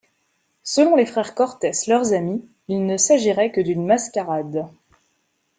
Selon les frères Cortés leurs amis, il ne s'agirait que d'une mascarade.